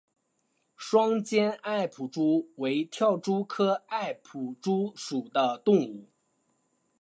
双尖艾普蛛为跳蛛科艾普蛛属的动物。